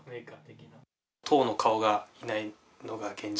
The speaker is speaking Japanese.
党の顔がいないのが現状